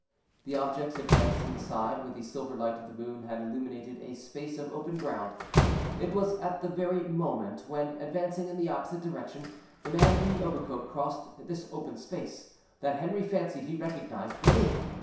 The objects advanced from the side where the silver light of the moon had illuminated a space of open ground. It was at the very moment when, advancing in the opposite direction, the man in the overcoat crossed this open space, that Henri fancied he recognized Remy.